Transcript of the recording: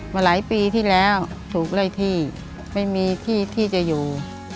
มาหลายปีที่แล้วถูกไล่ที่ไม่มีที่ที่จะอยู่